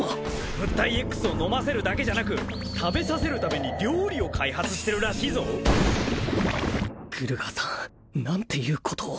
・物体Ｘを飲ませるだけじゃなく食べさせるために料理を開発してるらしいぞグルガーさん何ていうことを・